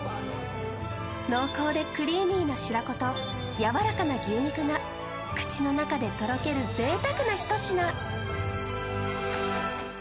濃厚でクリーミーな白子とやわらかな牛肉が口の中でとろけるぜいたくなひと品。